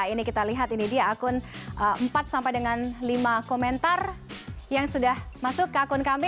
ini kita lihat ini dia akun empat sampai dengan lima komentar yang sudah masuk ke akun kami